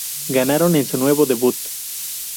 Ganaron en su nuevo debut.